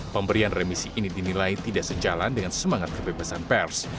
pemberian remisi ini dinilai tidak sejalan dengan semangat kebebasan pers